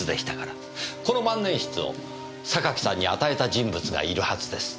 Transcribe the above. この万年筆を榊さんに与えた人物がいるはずです。